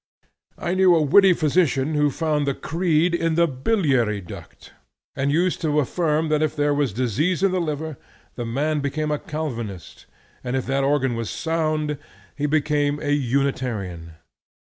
I knew a witty physician who found the creed in the biliary duct, and used to affirm that if there was disease in the liver, the man became a Calvinist, and if that organ was sound, he became a Unitarian.